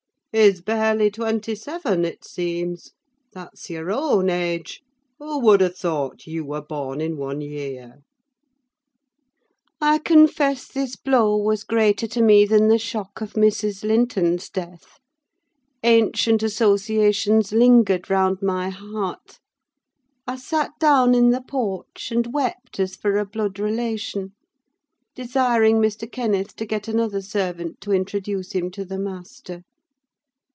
He's barely twenty seven, it seems; that's your own age: who would have thought you were born in one year?" I confess this blow was greater to me than the shock of Mrs. Linton's death: ancient associations lingered round my heart; I sat down in the porch and wept as for a blood relation, desiring Mr. Kenneth to get another servant to introduce him to the master.